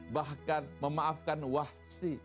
bahkan memaafkan wahsy